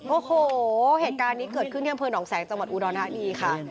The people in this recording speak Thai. โอ้โหเหตุการณ์นี้เกิดขึ้นที่อำเภอหนองแสงจังหวัดอุดรธานีค่ะ